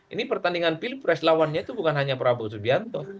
ini pertandingan pilpres lawannya itu bukan hanya prabowo subianto